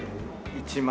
１万！？